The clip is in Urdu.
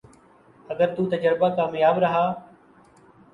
اگر تو تجربہ کامیاب رہا